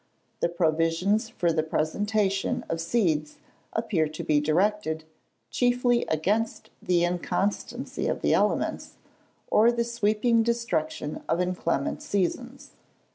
The provisions for the presentation of seeds appear to be directed, chiefly against the inconstancy of the elements, or the sweeping destruction of inclement seasons.